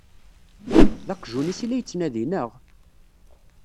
D aqjun-is i la yettnadi, naɣ?